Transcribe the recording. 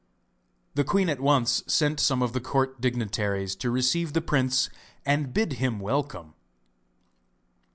The queen at once sent some of the court dignitaries to receive the prince and bid him welcome.